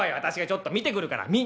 私がちょっと見てくるから」。